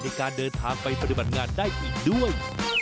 ในการเดินทางไปปฏิบัติงานได้อีกด้วย